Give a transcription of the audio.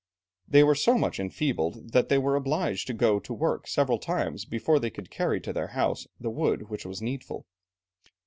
They were so much enfeebled that they were obliged to go to work several times before they could carry to their house the wood which was needful.